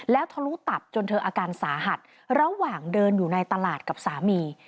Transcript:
แล้วทะลุตับจนเธออาการสาหัสระหว่างเดินอยู่ในตลาดกับสามี